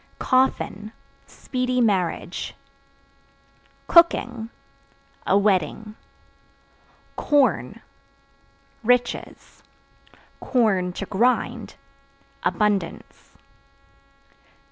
Coffin Speedy marriage. Cooking A wedding. Corn Riches; (to grind) abundance.